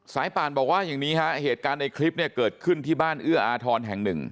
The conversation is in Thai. ป่านบอกว่าอย่างนี้ฮะเหตุการณ์ในคลิปเนี่ยเกิดขึ้นที่บ้านเอื้ออาทรแห่งหนึ่ง